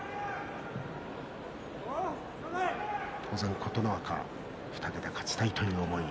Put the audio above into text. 当然、琴ノ若は２桁勝ちたいという思い。